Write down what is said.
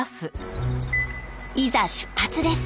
いざ出発です。